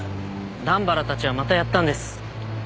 段原たちはまたやったんです。